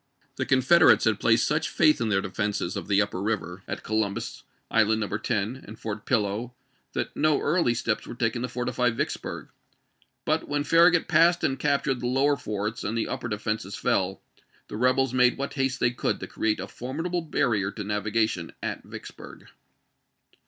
The Confederates had placed such faith in their defenses of the upper river, at Co lumbus, Island No. 10, and Fort Pillow, that no early steps were taken to fortify Vicksburg; but when Farragut passed and captured the lower forts and the upper defenses fell, the rebels made what haste they could to create a formidable bar rier to navigation at Vicksburg.